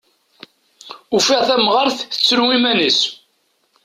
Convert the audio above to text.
Ufiɣ tamɣart tettru iman-is.